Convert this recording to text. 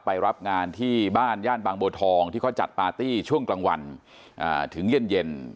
ไปรับงานที่บ้านย่านบางบัวทองที่เขาจัดปาร์ตี้ช่วงกลางวันถึงเย็น